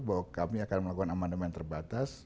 bahwa kami akan melakukan amandemen terbatas